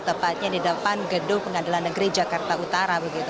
tepatnya di depan gedung pengadilan negeri jakarta utara